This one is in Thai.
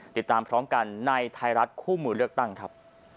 ติดตามพร้อมกันในไทยรัฐคู่มือเลือกตั้งครับ